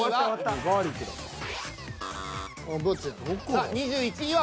さあ２１位は。